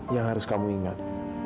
yang harus kamu ingat